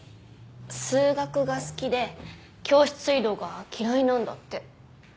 数学が好きで教室移動が嫌いなんだって。